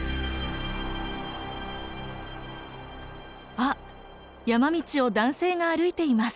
あっ山道を男性が歩いています。